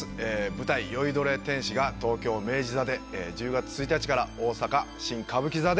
舞台『醉いどれ天使』が東京明治座で１０月１日から大阪新歌舞伎座でやります！